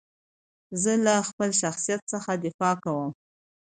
زه له خپل شخصیت څخه دفاع کوم.